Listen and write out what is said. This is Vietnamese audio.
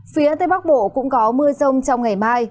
phía tây bắc bộ cũng có mưa rông trong ngày mai